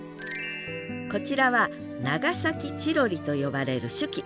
こちらは長崎チロリと呼ばれる酒器。